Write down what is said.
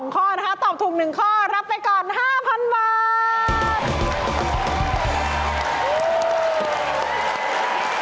ข้อนะคะตอบถูก๑ข้อรับไปก่อน๕๐๐๐บาท